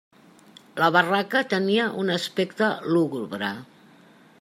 La barraca tenia un aspecte lúgubre.